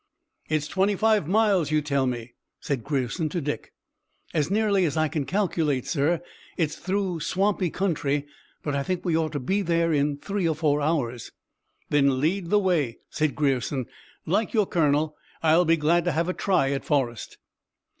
"It's twenty five miles, you tell me?" said Grierson to Dick. "As nearly as I can calculate, sir. It's through swampy country, but I think we ought to be there in three or four hours." "Then lead the way," said Grierson. "Like your colonel, I'll be glad to have a try at Forrest."